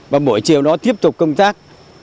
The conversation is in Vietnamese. và buổi chiều đó tiếp tục công tác